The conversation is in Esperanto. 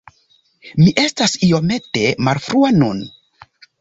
Mi estas iomete malfrua nun.